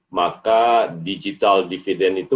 maka digital dividend itu